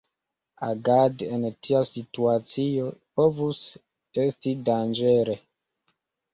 Agadi en tia situacio povus esti danĝere.